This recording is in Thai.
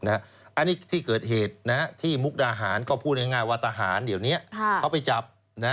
อันนี้ที่เกิดเหตุที่มุกดาหารก็พูดง่ายว่าทหารเดี๋ยวนี้เขาไปจับ